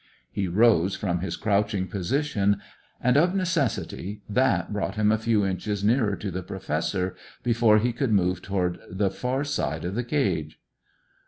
He rose from his crouching position, and of necessity that brought him a few inches nearer to the Professor, before he could move toward the far side of the cage.